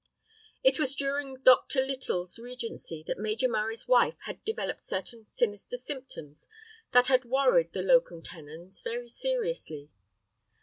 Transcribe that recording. It was during Dr. Little's regency that Major Murray's wife had developed certain sinister symptoms that had worried the locum tenens very seriously.